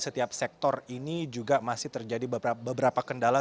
setiap sektor ini juga masih terjadi beberapa kendala